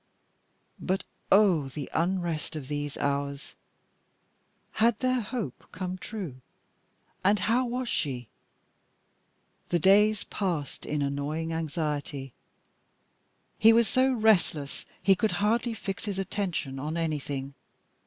But oh! the unrest of these hours. Had their hope come true? and how was she? The days passed in a gnawing anxiety. He was so restless he could hardly fix his attention on anything.